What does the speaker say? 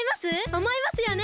おもいますよね！